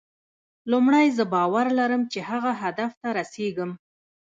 لومړی زه باور لرم چې هغه هدف ته رسېږم.